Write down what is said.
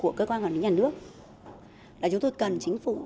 của cơ quan quản lý nhà nước là chúng tôi cần chính phủ